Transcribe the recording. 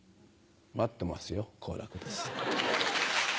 待ってますよ好楽です。